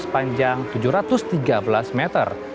sepanjang tujuh ratus tiga belas meter